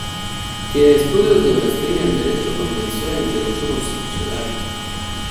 Tiene estudios de Maestría en Derecho con mención en Derecho Constitucional.